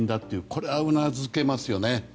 これはうなずけますよね。